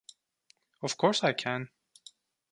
Of course I can!